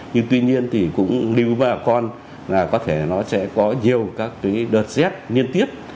nhưng tuy nhiên thì cũng lưu bà con là có thể nó sẽ có nhiều các cái đợt xét liên tiếp